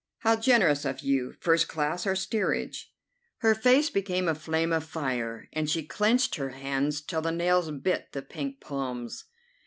"How generous of you! First class or steerage?" Her face became a flame of fire, and she clenched her hands till the nails bit the pink palms.